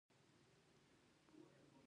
په افغانستان کې تاریخ ډېر اهمیت لري.